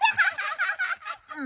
ハハハハ。